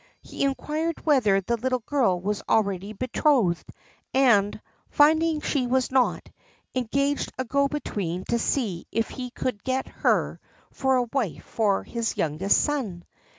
He inquired whether the little girl was already betrothed, and, finding that she was not, engaged a go between to see if he could get her for a wife for his youngest son.